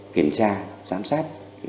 kiểm tra sám sát